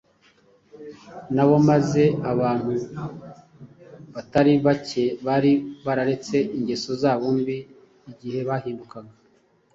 na bo maze abantu batari bake bari bararetse ingeso zabo mbi igihe bahindukaga,